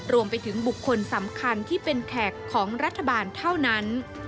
รวมไปถึงบุคคลสำคัญที่เป็นแขกของรัฐบาลเท่านั้น